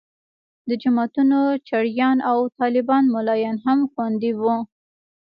د جوماتونو چړیان او طالبان ملایان هم خوندي وو.